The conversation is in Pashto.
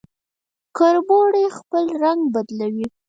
کربوړی خپل رنګ بدلوي